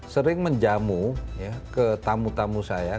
sering menjamu ke tamu tamu saya